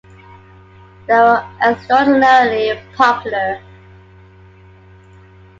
They were extraordinarily popular.